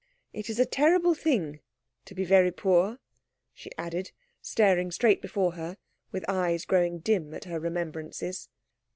It is a terrible thing to be very poor," she added, staring straight before her with eyes growing dim at her remembrances.